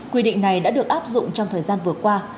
quy định này đã được áp dụng trong thời gian vừa qua